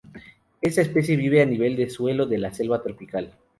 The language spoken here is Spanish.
Esta especie vive a nivel de suelo de la selva tropical.